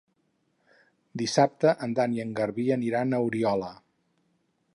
Dissabte en Dan i en Garbí aniran a Oriola.